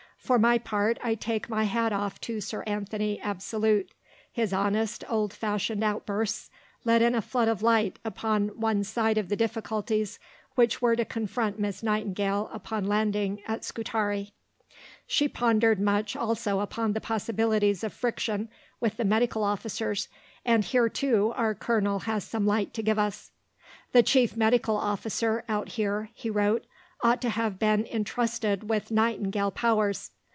For my part I take my hat off to Sir Anthony Absolute. His honest, old fashioned outbursts let in a flood of light upon one side of the difficulties which were to confront Miss Nightingale upon landing at Scutari. Roebuck Committee, Q. 14625. She pondered much also upon the possibilities of friction with the medical officers; and here, too, our Colonel has some light to give us. "The Chief Medical Officer out here," he wrote, "ought to have been intrusted with Nightingale powers."